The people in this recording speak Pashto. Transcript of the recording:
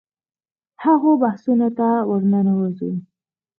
هغو بحثونو ته ورننوځو.